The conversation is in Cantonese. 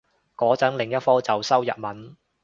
個陣另一科就修日文